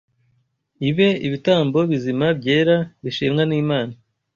ibe ibitambo bizima byera bishimwa n’Imana